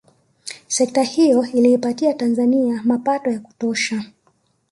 Sekta hiyo iliipatia Tanzania mapato ya kuotosha